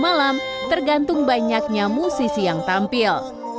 malam tergantung banyaknya musisi yang tampil